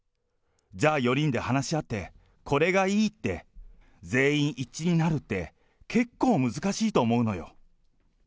じゃあ４人で話し合って、これがいいって、全員一致になるって、結構難しいと思うのよ。